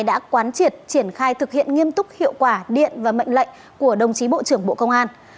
đã quán triệt triển khai thực hiện nghiêm túc hiệu quả điện và mệnh lệnh của đồng chí bộ trưởng bộ công an